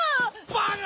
バカ！